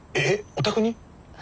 お宅に？